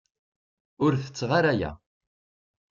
Ur tetteɣ ara aya.